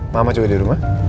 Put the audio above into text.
mama juga di rumah